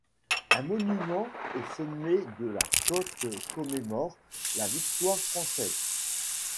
Un monument au sommet de la côte commémore la victoire française.